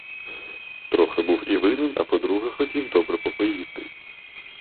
Трохи був і винен, а по-друге, хотів добре попоїсти.